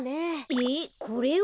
えっこれを？